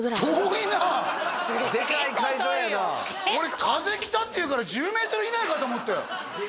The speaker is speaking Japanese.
俺風来たって言うから１０メートル以内かと思ったよ